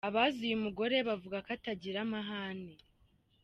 Abazi uyu mugore bavuga ko atagira amahane.